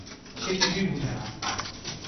সে কিছুই বুঝে না।